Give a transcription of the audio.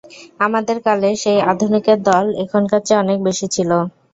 আমাদের কালে সেই আধুনিকের দল এখনকার চেয়ে অনেক বেশি ছিল।